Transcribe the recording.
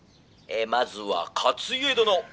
「まずは勝家殿」。